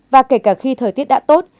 và kể cả khi thời tiết đã tốt